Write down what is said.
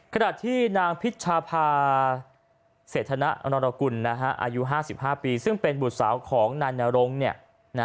ขณะที่นางพิชภาเศรษฐนรกุลอายุ๕๕ปีซึ่งเป็นบุตรสาวของนายนรง